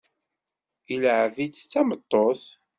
Ilεeb-itt d tameṭṭut.